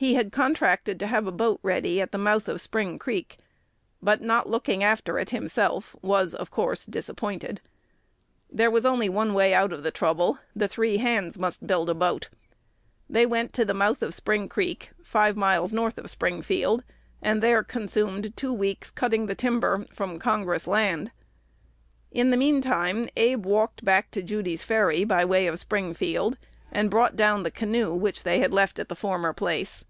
He had contracted to have a boat ready at the mouth of Spring Creek, but, not looking after it himself, was, of course, "disappointed." There was only one way out of the trouble: the three hands must build a boat. They went to the mouth of Spring Creek, five miles north of Springfield, and there consumed two weeks cutting the timber from "Congress land." In the mean time, Abe walked back to Judy's Ferry, by way of Springfield, and brought down the canoe which they had left at the former place.